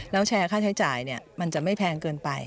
แล้วแชร์ค่าใช้จ่ายมันจะไม่แพงเกินไป